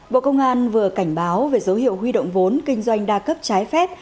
bộ công an vừa cảnh báo về dấu hiệu huy động vốn kinh doanh đa cấp trái phép